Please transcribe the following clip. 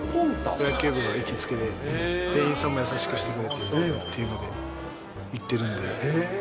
野球部の行きつけで、店員さんも優しくしてくれてっていうので、行ってるんで。